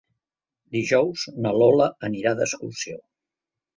Dijous na Lola anirà d'excursió.